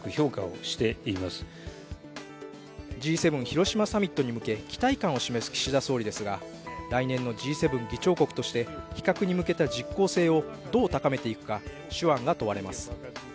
Ｇ７広島サミットへ向け期待感を示す岸田総理ですが来年のＧ７議長国として、非核に向けた実効性をどう高めていくか、手腕が問われます。